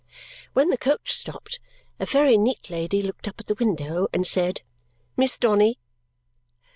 When the coach stopped, a very neat lady looked up at the window and said, "Miss Donny."